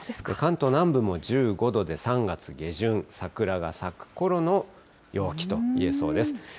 関東南部も１５度で３月下旬、桜が咲くころの陽気といえそうです。